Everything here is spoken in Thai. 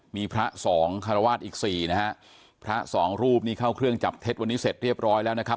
มีพระสองคารวาสอีกสี่นะฮะพระสองรูปนี่เข้าเครื่องจับเท็จวันนี้เสร็จเรียบร้อยแล้วนะครับ